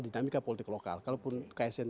dinamika politik lokal kalaupun ksn